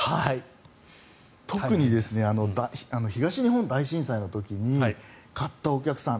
特に東日本大震災の時に買ったお客さん。